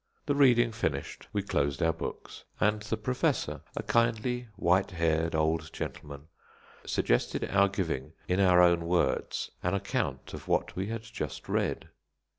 The reading finished, we closed our books, and the Professor, a kindly, white haired old gentleman, suggested our giving in our own words an account of what we had just read.